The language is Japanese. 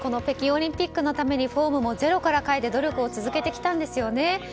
北京オリンピックのためにフォームもゼロから変えて努力を続けてきたんですよね。